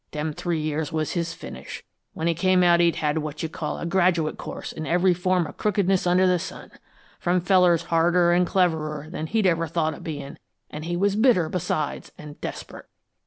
Them three years was his finish. When he came out he'd had what you'd call a graduate course in every form of crookedness under the sun, from fellers harder an' cleverer than he'd ever thought of bein', an' he was bitter besides, an' desperate.